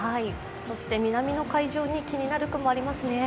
そして南の海上に気になる雲、ありますね。